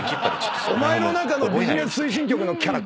お前の中のビジネス推進局のキャラ